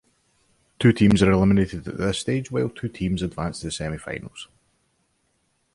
Two teams are eliminated at this stage, while two teams advance to the semi-finals.